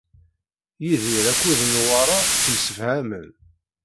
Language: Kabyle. Yidir akked Newwara ttemsefhamen.